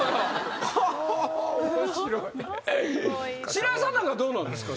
白井さんなんかどうなんですか？